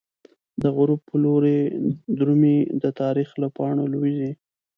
د غروب په لوری د رومی، د تاریخ له پاڼو لویزی